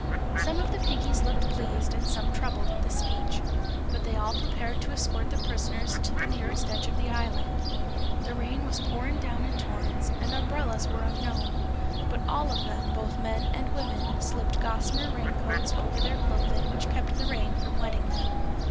Some of the Pinkies looked pleased and some troubled at this speech, but they all prepared to escort the prisoners to the nearest edge of the island. The rain was pouring down in torrents and umbrellas were unknown; but all of them, both men and women, slipped gossamer raincoats over their clothing which kept the rain from wetting them.